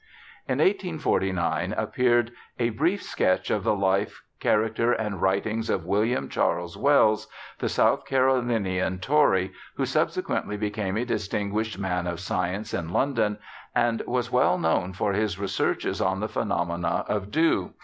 In 1849 appeared a Brief Sketch of the Life, Character, and Writings of William Charles IVells, the South Caro linian Tory, who subsequently became a distinguished man of science in London, and who was well known for his researches on the phenomena of dew.